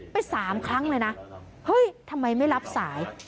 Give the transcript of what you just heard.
ไป๓ครั้งเลยนะเฮ้ยทำไมไม่รับสาย